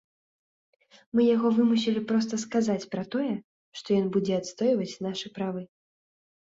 Мы яго вымусілі проста сказаць пра тое, што ён будзе адстойваць нашы правы.